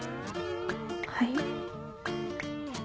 はい。